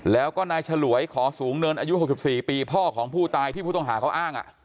แล้วก็นายฉลวยขอสูงเนินอายุ๖๔ปีพ่อของผู้ตายที่ผู้ต้องหาเขาอ้าง